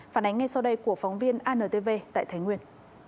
phản ánh ngay sau đây của phóng viên antv tại thái nguyên